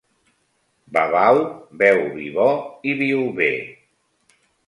Babau beu vi bo i viu bé.